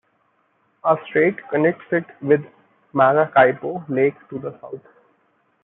A strait connects it with Maracaibo Lake to the south.